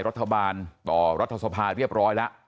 รัฐบาลต่อรัฐสภาเรียบร้อยแล้ว